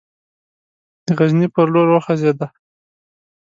د غزني پر لور وخوځېدی.